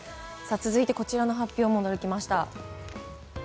続いてこちらの発表も驚きました。